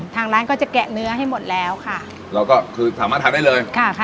ทางร้านก็จะแกะเนื้อให้หมดแล้วค่ะเราก็คือสามารถทานได้เลยค่ะค่ะ